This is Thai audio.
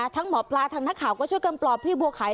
ทั้งหมอปลาทางนักข่าวก็ช่วยกันปลอบพี่บัวไข่